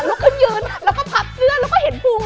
ขึ้นยืนแล้วก็พับเสื้อแล้วก็เห็นพุง